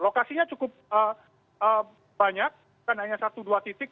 lokasinya cukup banyak bukan hanya satu dua titik